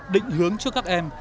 định hướng cho các em